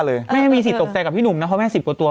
ไม่มีสิทธิตกใจกับพี่หนุ่มนะเพราะแม่๑๐กว่าตัว